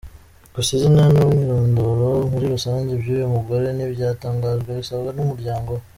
Gusa izina n’umwirondoro muri rusange by’uyu mugore ntibyatangajwe bisabwe n’umuryango we.